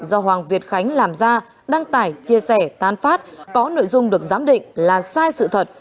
do hoàng việt khánh làm ra đăng tải chia sẻ tán phát có nội dung được giám định là sai sự thật